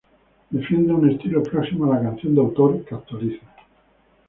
Defiende un estilo próximo a la canción de autor, que actualiza.